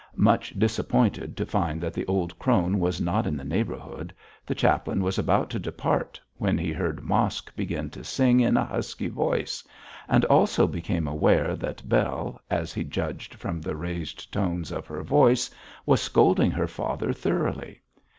Much disappointed to find that the old crone was not in the neighbourhood, the chaplain was about to depart when he heard Mosk begin to sing in a husky voice, and also became aware that Bell, as he judged from the raised tones of her voice, was scolding her father thoroughly.